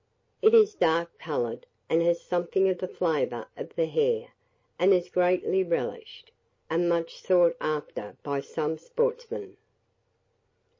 It is dark coloured, and has something of the flavour of the hare, and is greatly relished, and much sought after by some sportsmen.